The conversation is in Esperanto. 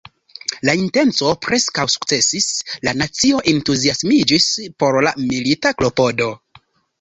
La intenco preskaŭ sukcesis: la nacio entuziasmiĝis por la milita klopodo.